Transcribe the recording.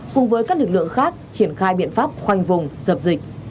cùng với các lực lượng khác triển khai biện pháp khoanh vùng dập dịch